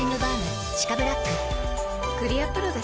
クリアプロだＣ。